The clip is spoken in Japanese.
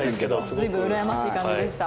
随分うらやましい感じでした。